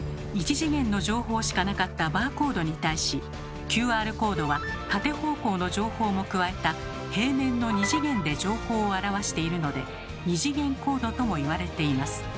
１次元の情報しかなかったバーコードに対しＱＲコードは縦方向の情報も加えた平面の２次元で情報を表しているので「２次元コード」ともいわれています。